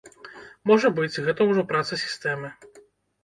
Можа быць, гэта ўжо праца сістэмы.